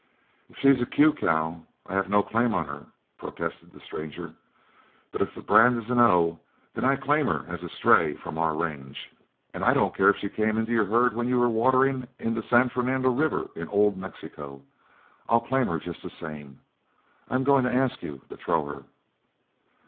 "If she's a 'Q' cow I have no claim on her," protested the stranger, "but if the brand is an 'O,' then I claim her as a stray from our range, and I don't care if she came into your herd when you were watering in the San Fernando River in Old Mexico, I'll claim her just the same. I'm going to ask you to throw her."